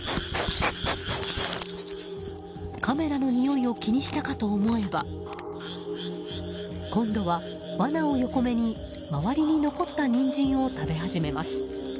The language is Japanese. カメラのにおいを気にしたかと思えば今度は、わなを横目に周りに残ったニンジンを食べ始めます。